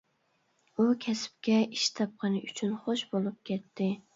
ئۇ كەسىپكە ئىش تاپقىنى ئۈچۈن خوش بولۇپ كەتتى.